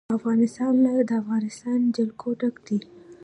افغانستان له د افغانستان جلکو ډک دی.